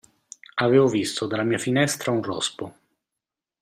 Avevo visto dalla mia finestra un rospo.